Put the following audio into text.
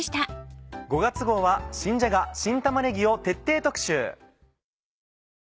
５月号は「新じゃが・新玉ねぎ」を徹底特集。